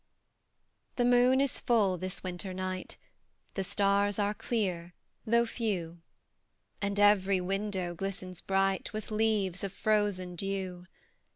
The moon is full this winter night; The stars are clear, though few; And every window glistens bright With leaves of frozen dew.